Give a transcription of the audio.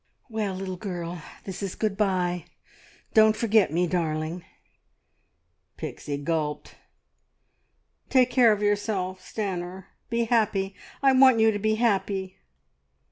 "Well, little girl... this is good bye! Don't forget me, darling..." Pixie gulped. "Take care of yourself, Stanor. Be happy! ... I want you to be happy."